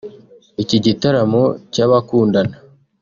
Iki gitaramo cy’abakundana